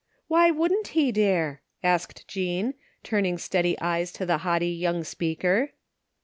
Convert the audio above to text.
"Why wouldn't he dare?" asked Jean, turning steady eyes to the haughty young speaker.